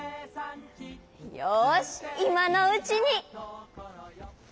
よしいまのうちに。